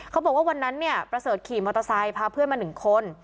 เขาบอกว่าวันนั้นเนี่ยประเสริฐขี่มอเตอร์ไซค์พาเพื่อนมา๑คน